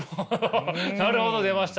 「なるほど」出ましたね。